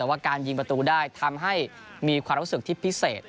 แต่ว่าการยิงประตูได้ทำให้มีความรู้สึกที่พิเศษ